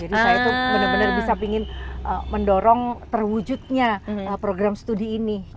jadi saya tuh bener bener bisa pingin mendorong terwujudnya program studi ini